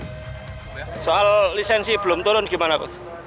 soal lisensi belum turun gimana coach